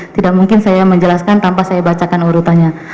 tidak mungkin saya menjelaskan tanpa saya bacakan urutannya